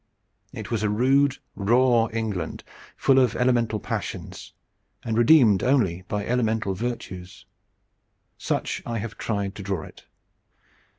It was a raw, rude England, full of elemental passions, and redeemed only by elemental virtues. Such I have tried to draw it.